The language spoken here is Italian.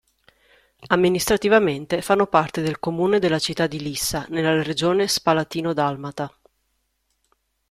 Amministrativamente fanno parte del comune della città di Lissa, nella regione spalatino-dalmata.